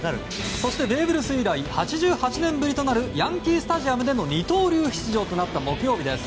そしてベーブ・ルース以来８８年ぶりとなるヤンキー・スタジアムでの二刀流出場となった木曜日です。